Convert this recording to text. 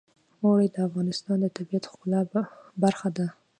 اوړي د افغانستان د طبیعت د ښکلا برخه ده.